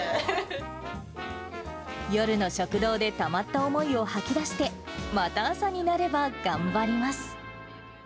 夜の食堂でたまった思いを吐き出して、まだ朝になれば頑張ります。